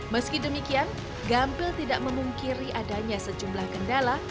meski demikian gampil tidak memungkiri adanya sejumlah kendala